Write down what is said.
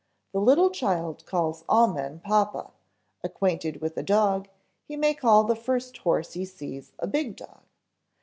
The little child calls all men papa; acquainted with a dog, he may call the first horse he sees a big dog.